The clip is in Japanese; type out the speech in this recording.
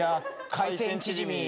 海鮮チヂミ。